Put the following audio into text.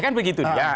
kan begitu dia